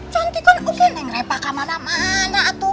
cantik kan udah neng reva kemana mana tuh